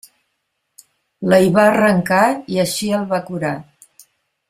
La hi va arrancar i així el va curar.